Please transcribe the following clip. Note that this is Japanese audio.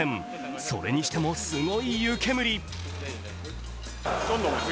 それにしてもすごい湯けむり。